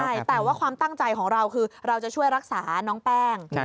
ใช่แต่ว่าความตั้งใจของเราคือเราจะช่วยรักษาน้องแป้ง